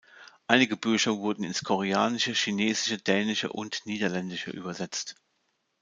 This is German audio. Einige Bücher wurden ins Koreanische, Chinesische, Dänische und Niederländische übersetzt.